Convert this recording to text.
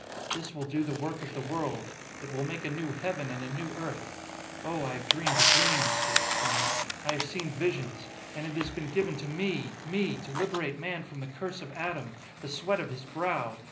"This will do the work of the world: it will make a new heaven and a new earth! Oh, I have dreamed dreams," he exclaimed, "I have seen visions. And it has been given to me me! to liberate man from the curse of Adam ... the sweat of his brow....